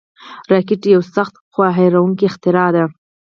راکټ یو سخت، خو حیرانوونکی اختراع ده